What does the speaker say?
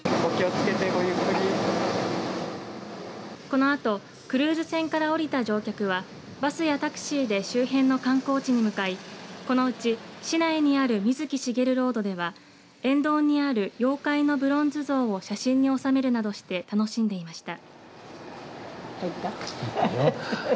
このあとクルーズ船から降りた乗客はバスやタクシーで周辺の観光地に向かいこのうち市内にある水木しげるロードでは沿道にある妖怪のブロンズ像を写真に収めるなどして楽しんでいました。